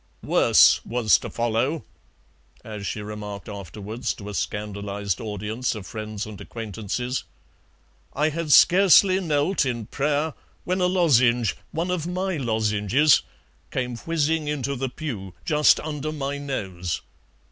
"Worse was to follow," as she remarked afterwards to a scandalized audience of friends and acquaintances. "I had scarcely knelt in prayer when a lozenge, one of my lozenges, came whizzing into the pew, just under my nose.